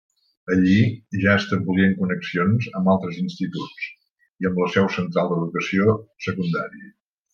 Allí ja establien connexions amb altres instituts i amb la seu central d'Educació Secundària.